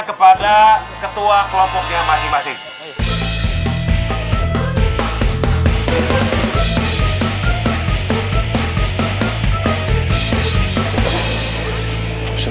kepada ketua kelompoknya masing masing